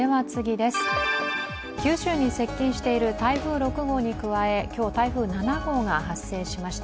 九州に接近している台風６号に加え今日、台風７号が発生しました。